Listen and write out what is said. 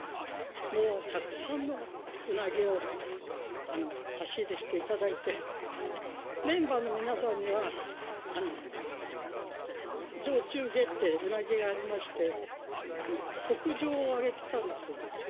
もうたくさんのうなぎを差し入れしていただいて、メンバーの皆さんには、上中下ってうなぎがありまして、特上をあげてたんですよ。